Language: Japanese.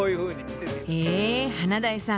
え華大さん。